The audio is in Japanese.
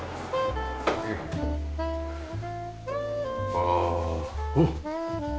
ああおっ！